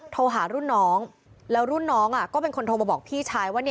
โทรหารุ่นน้องแล้วรุ่นน้องก็เป็นคนโทรมาบอกพี่ชายว่า